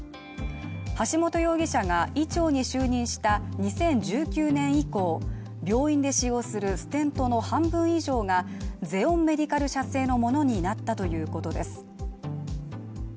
橋本容疑者が医長に就任した２０１９年以降病院で使用するステンとの半分以上がゼオンメディカル社製のものになったということです。